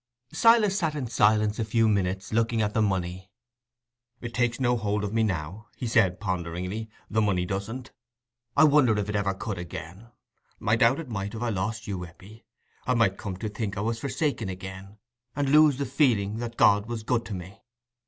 Silas sat in silence a few minutes, looking at the money. "It takes no hold of me now," he said, ponderingly—"the money doesn't. I wonder if it ever could again—I doubt it might, if I lost you, Eppie. I might come to think I was forsaken again, and lose the feeling that God was good to me."